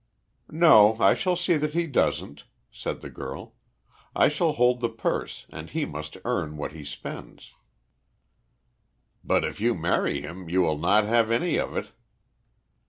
"No, I shall see that he doesn't," said the girl. "I shall hold the purse, and he must earn what he spends." "But if you marry him, you will not have any of it."